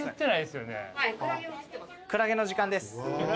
クラゲの時間です。